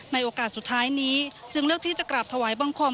โอกาสสุดท้ายนี้จึงเลือกที่จะกราบถวายบังคม